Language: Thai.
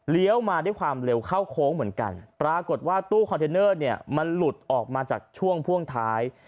มาด้วยความเร็วเข้าโค้งเหมือนกันปรากฏว่าตู้คอนเทนเนอร์เนี่ยมันหลุดออกมาจากช่วงพ่วงท้าย